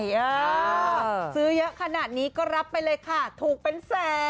เออซื้อเยอะขนาดนี้ก็รับไปเลยค่ะถูกเป็นแสน